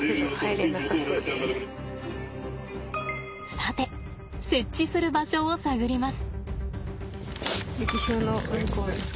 さて設置する場所を探ります。